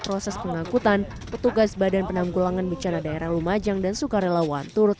proses pengangkutan petugas badan penanggulangan bencana daerah lumajang dan sukarelawan turut